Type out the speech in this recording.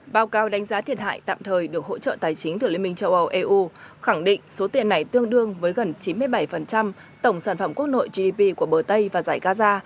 báo cáo đánh giá thiệt hại tạm thời được hỗ trợ tài chính thừa liên minh châu âu eu khẳng định số tiền này tương đương với gần chín mươi bảy tổng sản phẩm quốc nội gdp của bờ tây và giải gaza